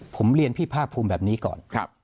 ผมเรียนพี่ภาคภูมิแบบนี้ก่อน